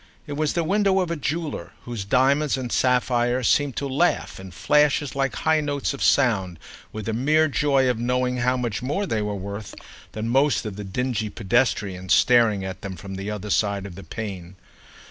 It was the window of a jeweller whose diamonds and sapphires seemed to laugh, in flashes like high notes of sound, with the mere joy of knowing how much more they were "worth" than most of the dingy pedestrians staring at them from the other side of the pane.